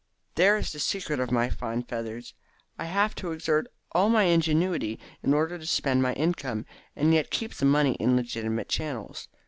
There is the secret of my fine feathers. I have to exert all my ingenuity in order to spend my income, and yet keep the money in legitimate channels.